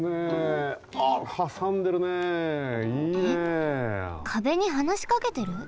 えっ壁にはなしかけてる？